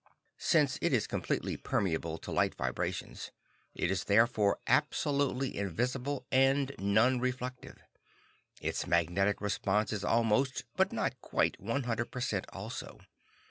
Since it is completely permeable to light vibrations, it is therefore absolutely invisible and non reflective. Its magnetic response is almost, but not quite, 100 percent also.